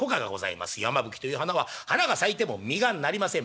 山吹という花は花が咲いても実が成りません。